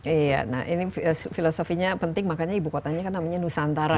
iya nah ini filosofinya penting makanya ibu kotanya kan namanya nusantara